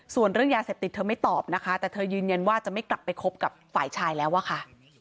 ส่วนเรื่องยาเสพติดเธอไม่ตอบนะคะแต่เธอยืนยันว่าจะไม่กลับไปคบกับฝ่ายชายแล้วอะค่ะ